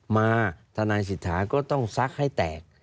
มาทนายสิทธาก็ต้องซักให้แตก